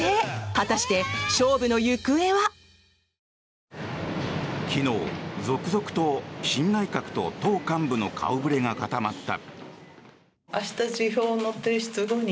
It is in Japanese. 果たして、勝負の行方は？昨日、続々と新内閣と党幹部の顔触れが固まった。